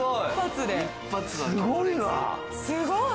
すごい！